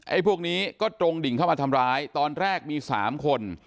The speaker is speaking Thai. พวกนี้ก็ตรงดิ่งเข้ามาทำร้ายตอนแรกมี๓คน